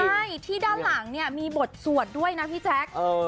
ใช่ที่ด้านหลังเนี่ยมีบทสวดด้วยนะพี่แจ๊ค